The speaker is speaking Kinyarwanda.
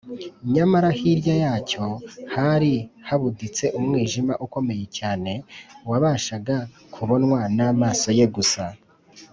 nyamara hirya yacyo hari habuditse umwijima ukomeye cyane wabashaga kubonwa n’amaso ye gusa